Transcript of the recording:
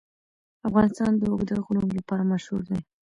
افغانستان د اوږده غرونه لپاره مشهور دی.